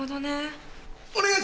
お願いします！